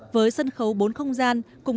với sân khấu bốn không gian